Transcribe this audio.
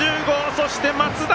そして松田